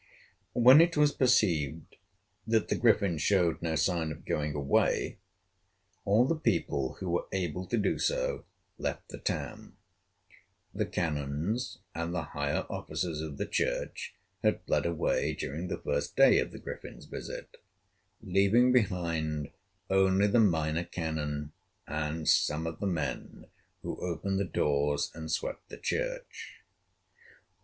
When it was perceived that the Griffin showed no sign of going away, all the people who were able to do so left the town. The canons and the higher officers of the church had fled away during the first day of the Griffin's visit, leaving behind only the Minor Canon and some of the men who opened the doors and swept the church.